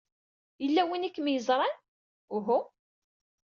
Yella win ay kem-yeẓran? Uhu.